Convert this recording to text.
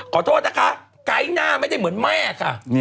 ขอโทษนะคะไกด์หน้าไม่ได้เหมือนแม่ค่ะ